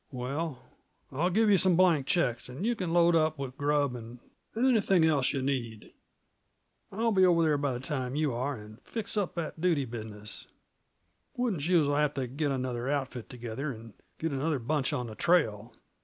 "Well, I'll give yuh some blank checks, an' you can load up with grub and anything else yuh need. I'll be over there by the time you are, and fix up that duty business. Wooden Shoes'll have t' get another outfit together, and get another bunch on the trail.